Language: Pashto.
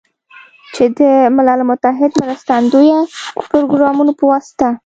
چې د ملل متحد مرستندویه پروګرامونو په واسطه